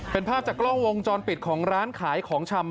เป็นภาพจากกล้องวงจรปิดของร้านขายของชำ